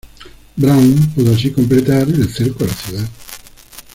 Brown pudo así completar el cerco a la ciudad.